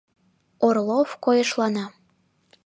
Орлов койышлана.